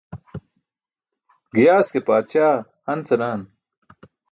Giyaas ke paatśaa han senaan.